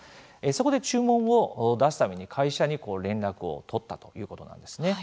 そこで注文を出すために会社に連絡を取ったということなんですね。